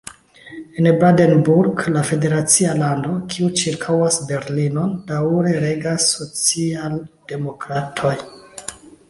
En Brandenburg, la federacia lando, kiu ĉirkaŭas Berlinon, daŭre regas socialdemokratoj.